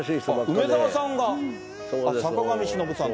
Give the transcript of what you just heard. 梅沢さんが。